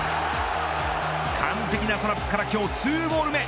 完璧なトラップから今日２ゴール目。